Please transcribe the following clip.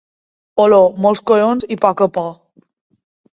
Oló, molts collons i poca por.